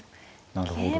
なるほど。